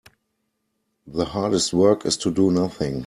The hardest work is to do nothing.